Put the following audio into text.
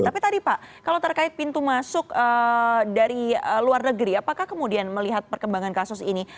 tapi tadi pak kalau terkait pintu masuk dari luar negeri apakah kemudian melihat perkembangan kasus ini